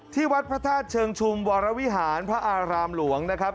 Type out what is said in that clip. ที่วัดพระธาตุเชิงชุมวรวิหารพระอารามหลวงนะครับ